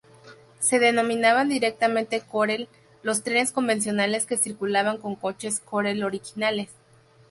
Se denominaban directamente "Corail" los trenes convencionales que circulaban con coches Corail originales.